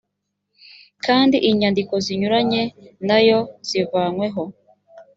kandi inyandiko zinyuranye nayo zivanyweho